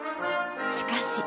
しかし。